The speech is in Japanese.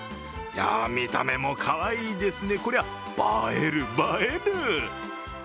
見た目もかわいいですね、こりゃ映える映える。